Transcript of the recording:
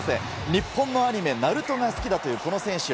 日本のアニメ、ＮＡＲＵＴＯが好きだというこの選手。